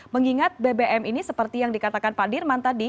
mengingat bbm ini seperti yang dikatakan pak dirman tadi